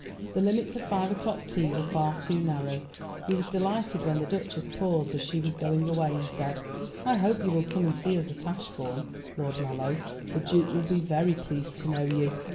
The limits of five o'clock tea were far too narrow. He was delighted when the Duchess paused as she was going away, and said: "I hope you will come and see us at Ashbourne, Lord Mallow; the Duke will be very pleased to know you."